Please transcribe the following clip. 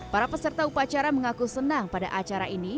para peserta upacara mengaku senang pada acara ini